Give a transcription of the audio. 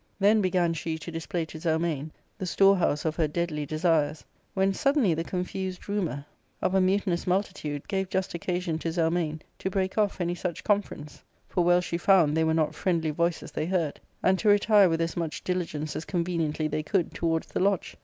Then began she to display to Zelmane the storehouse of her deadly desires, when suddenly the confused rumour of a 224 ARCADIA. ^Book IT. mutinous multitude gave just occasion to Zelmane to break off any such conference — for well she found they were not friendly voices they heard — and to retire tvith as much dili gence as conveniently they could towards the lodge.